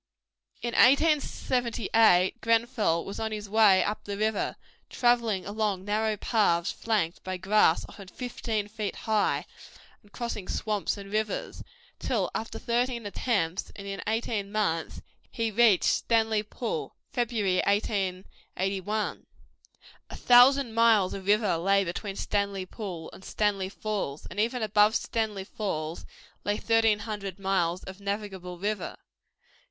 In 1878 Grenfell was on his way up the river travelling along narrow paths flanked by grass often fifteen feet high, and crossing swamps and rivers, till after thirteen attempts and in eighteen months he reached Stanley Pool, February 1881. A thousand miles of river lay between Stanley Pool and Stanley Falls, and even above Stanley Falls lay thirteen hundred miles of navigable river.